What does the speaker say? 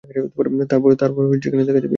তারপর দেখা যাবে।